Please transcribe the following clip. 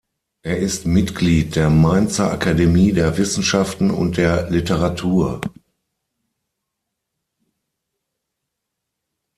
Er ist Mitglied der Mainzer Akademie der Wissenschaften und der Literatur.